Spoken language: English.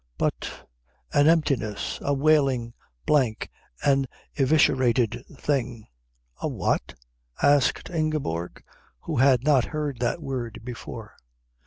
"But " "An emptiness, a wailing blank, an eviscerated thing." "A what?" asked Ingeborg, who had not heard that word before.